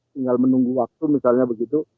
tinggal menunggu waktu misalnya begitu